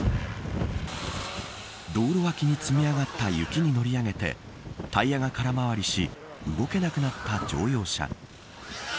道路脇に積み上がった雪に乗り上げてタイヤが空回りし動けなくなった乗用車。